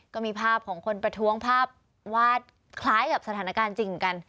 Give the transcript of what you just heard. ก็มีภาพของคนประท้วงภาพวาดคล้ายกับสถานการณ์จริงเหมือนกัน